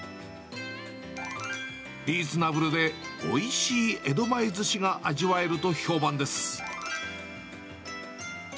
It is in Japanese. リーズナブルで、おいしい江戸前ずしが味わえると評判です。